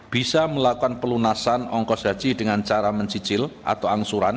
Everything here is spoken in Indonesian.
bisa melakukan pelunasan ongkos gaji dengan cara mencicil atau angsuran